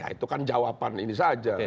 itu kan jawaban ini saja